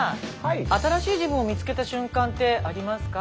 新しい自分を見つけた瞬間ってありますか？